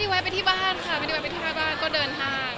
ทีนี้เขาไม่ได้ต้องตัวไปกันกัน